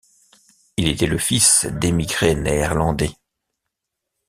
Il était le fils d'émigrés néerlandais.